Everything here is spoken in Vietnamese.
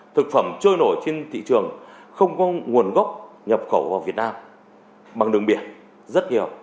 thực phẩm trôi nổi trên thị trường không có nguồn gốc nhập khẩu vào việt nam bằng đường biển rất nhiều